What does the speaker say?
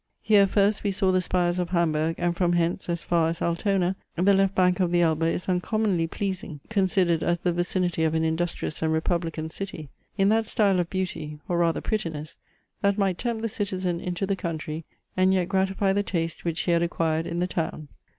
Here first we saw the spires of Hamburg, and from hence, as far as Altona, the left bank of the Elbe is uncommonly pleasing, considered as the vicinity of an industrious and republican city in that style of beauty, or rather prettiness, that might tempt the citizen into the country, and yet gratify the taste which he had acquired in the town.